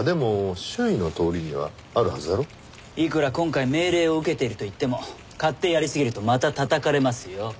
いくら今回命令を受けているといっても勝手やりすぎるとまた叩かれますよ。